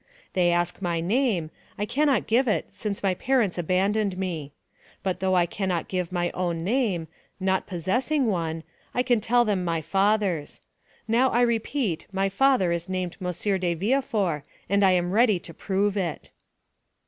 They ask my name, I cannot give it, since my parents abandoned me. But though I cannot give my own name, not possessing one, I can tell them my father's. Now I repeat, my father is named M. de Villefort, and I am ready to prove it."